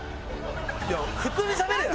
いや普通にしゃべれや！